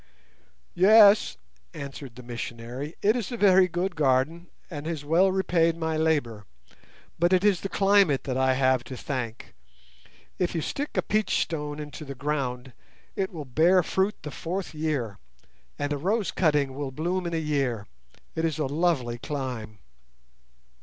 "Yes," answered the missionary, "it is a very good garden, and has well repaid my labour; but it is the climate that I have to thank. If you stick a peach stone into the ground it will bear fruit the fourth year, and a rose cutting will bloom in a year. It is a lovely clime."